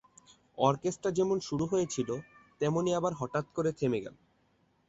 Orchestra যেমন শুরু হয়েছিল, তেমনি আবার হঠাৎ করে থেমে গেল।